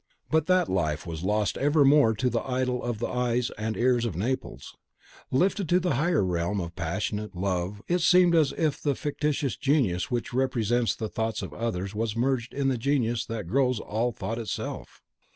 But that life was lost evermore to the idol of the eyes and ears of Naples. Lifted to the higher realm of passionate love, it seemed as if the fictitious genius which represents the thoughts of others was merged in the genius that grows all thought itself.